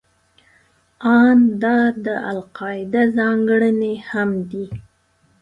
ان دا د القاعده ځانګړنې هم دي.